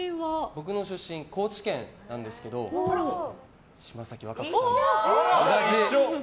僕の出身、高知県なんですけど島崎和歌子さんと。